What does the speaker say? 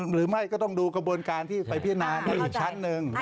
หรือไม่ก็ต้องดูกระบวนการที่ไปพิจารณาในอีกชั้นหนึ่ง